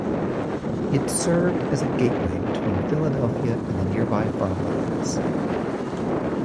It served as a gateway between Philadelphia and the nearby farmlands.